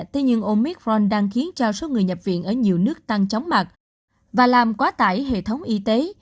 thế nhưng omicron đang khiến cho số người nhập viện ở nhiều nước tăng chóng mặt và làm quá tải hệ thống y tế